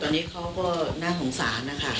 ตอนนี้เขาก็น่าสงสารนะคะ